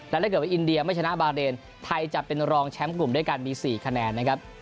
และถ้าเกิดว่าอินเดียไม่ชนะบาเรนไทยจะเป็นรองแชมป์กลุ่มด้วยกันมี๔คะแนนนะครับ